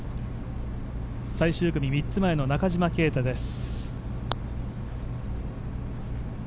最終組３つ前の中島啓太です。